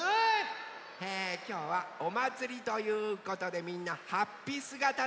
きょうはおまつりということでみんなはっぴすがたですね。